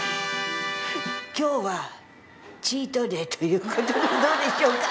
今日はチートデーという事でどうでしょうか？